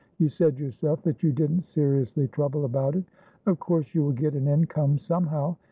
You said yourself that you didn't seriously trouble about it. Of course you will get an incomesomehow.